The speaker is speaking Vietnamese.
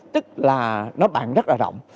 tức là nó bàn rất là rộng